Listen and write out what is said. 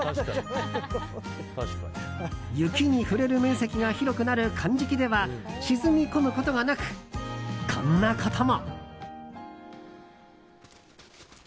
雪に触れる面積が広くなるかんじきでは沈み込むことがなくこんなことも。